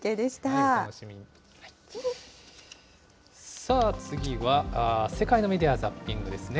さあ、次は世界のメディア・ザッピングですね。